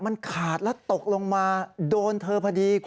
มันขาดแล้วตกลงมาโดนเธอพอดี